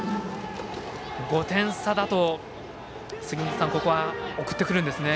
５点差だとここは送ってくるんですね。